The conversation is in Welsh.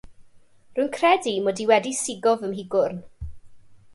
Rwy'n credu mod i wedi 'sigo fy migwrn.